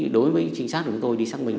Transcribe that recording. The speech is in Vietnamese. đối với chính xác của chúng tôi đi xác minh